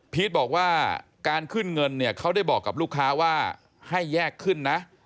บอกว่าการขึ้นเงินเนี่ยเขาได้บอกกับลูกค้าว่าให้แยกขึ้นนะ